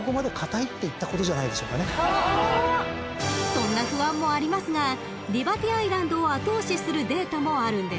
［そんな不安もありますがリバティアイランドを後押しするデータもあるんです］